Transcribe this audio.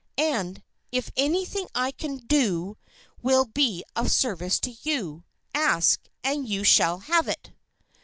And, if anything I can do will be of service to you, ask and you shall have it."